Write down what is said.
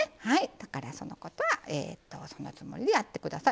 だからそのことはそのつもりでやって下さい。